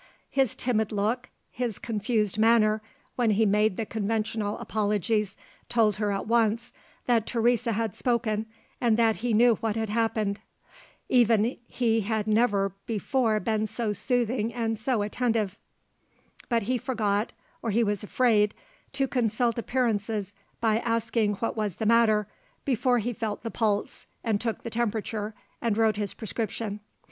His timid look, his confused manner, when he made the conventional apologies, told her at once that Teresa had spoken, and that he knew what had happened. Even he had never before been so soothing and so attentive. But he forgot, or he was afraid, to consult appearances by asking what was the matter, before he felt the pulse, and took the temperature, and wrote his prescription.